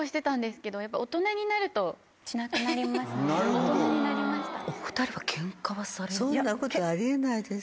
大人になりましたね。